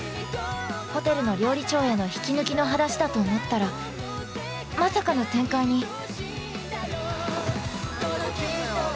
ホテルの料理長への引き抜きの話だと思ったら、まさかの展開に。